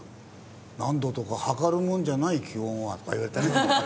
「何度とか計るもんじゃない気温は」とか言われたり。